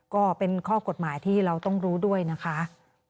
ก็เป็นข้อกฎหมายที่เราต้องรู้ด้วยนะคะ